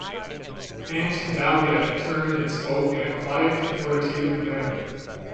Aunt Dahlia turned and spoke in a quiet, authoritative manner.